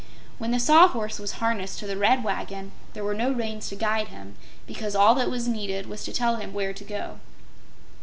When the Sawhorse was harnessed to the Red Wagon there were no reins to guide him because all that was needed was to tell him where to go.